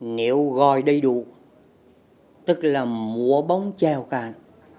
nếu gọi đầy đủ tức là mùa bóng trèo cạn